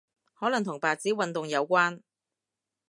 可能同白紙運動有關